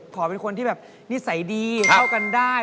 ขอเป็นคนที่แบบนิสัยดีเข้ากันได้